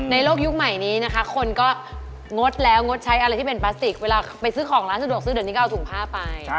โลกยุคใหม่นี้นะคะคนก็งดแล้วงดใช้อะไรที่เป็นพลาสติกเวลาไปซื้อของร้านสะดวกซื้อเดี๋ยวนี้ก็เอาถุงผ้าไป